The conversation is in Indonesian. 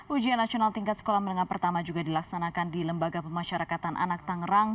ujian nasional tingkat sekolah menengah pertama juga dilaksanakan di lembaga pemasyarakatan anak tangerang